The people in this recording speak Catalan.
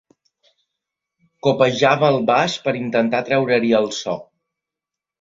Copejava el baix per intentar treure-hi el so.